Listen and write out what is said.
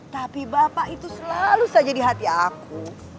tapi bapak itu selalu saja di hati aku